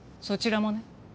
そちらもね。